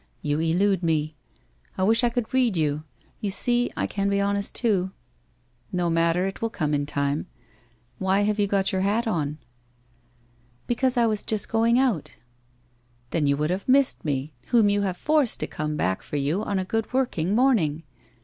You elude me. I wish I could read you? You see I can be honest too. ... No matter, it will come in time. Why have you got your hat on ?'' Because I was just going out.' ' Then you would have missed me, whom you have forced to come back for you on a good working morning.